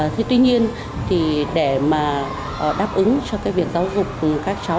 thế tuy nhiên thì để mà đáp ứng cho cái việc giáo dục các cháu